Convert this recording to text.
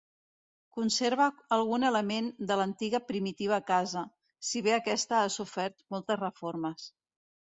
Conserva algun element de l'antiga primitiva casa, si bé aquesta ha sofert moltes reformes.